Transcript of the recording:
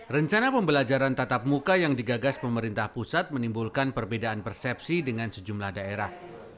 rencana pembelajaran tatap muka yang digagas pemerintah pusat menimbulkan perbedaan persepsi dengan sejumlah daerah